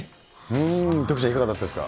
徳ちゃん、いかがだったです